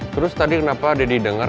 terus tadi kenapa deddy dengar